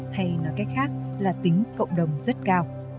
hay nói cách khác là tính cộng đồng rất cao